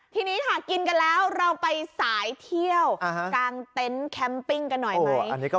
ทีนี้ค่ะกินกันแล้วเราไปสายเที่ยวกลางเต็นต์แคมปิ้งกันหน่อยไหม